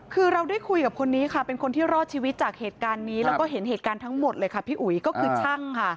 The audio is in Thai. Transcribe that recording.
คือเราได้คุยกับคนนี้ค่ะเป็นคนที่รอดชีวิตจากเหตุการณ์นี้แล้วก็เห็นเหตุการณ์ทั้งหมดเลยค่ะพี่อุ๋ยก็คือช่างค่ะ